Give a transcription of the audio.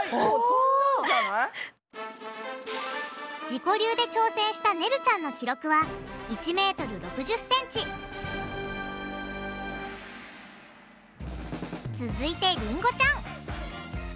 自己流で挑戦したねるちゃんの記録は続いてりんごちゃん！